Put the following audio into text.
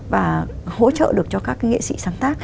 và hỗ trợ được cho các cái nghệ sĩ sáng tác